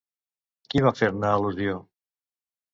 Qui va fer-ne al·lusió?